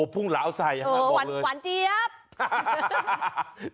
พุ่งเหลาใส่หวานเจี๊ยบ